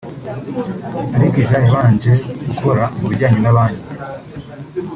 Alakija yabanje gukora mu bijyanye na banki